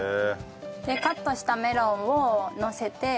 でカットしたメロンをのせて。